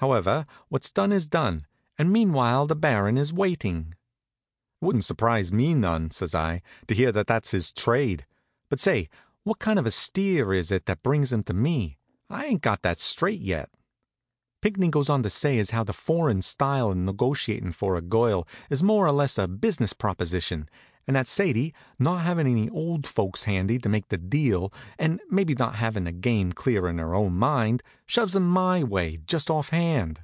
However, what's done is done, and meanwhile the Baron is waiting." "It wouldn't surprise me none," says I, "to hear that that's his trade. But say, what kind of a steer is it that brings him to me? I ain't got that straight yet." Pinckney goes on to say as how the foreign style of negotiatin' for a girl is more or less of a business proposition; and that Sadie, not havin' any old folks handy to make the deal, and maybe not havin' the game clear in her own mind, shoves him my way, just off hand.